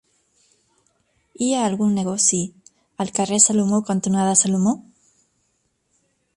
Hi ha algun negoci al carrer Salomó cantonada Salomó?